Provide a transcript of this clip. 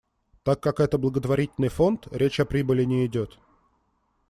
Так как это благотворительный фонд, речь о прибыли не идёт.